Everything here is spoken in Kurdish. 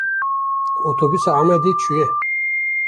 Otobûsa Amedê çûye.